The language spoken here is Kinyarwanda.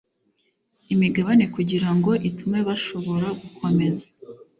imigabane kugira ngo itume bashobora gukomeza